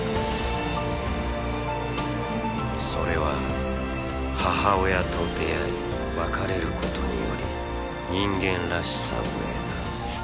それは母親と出会い別れることにより人間らしさを得た。